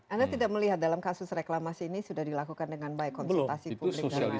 anda tidak melihat dalam kasus reklamasi ini sudah dilakukan dengan baik konsultasi publik